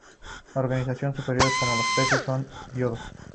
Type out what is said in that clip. Los organismos superiores como los peces son diodos.